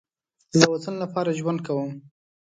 زه د وطن لپاره ژوند کوم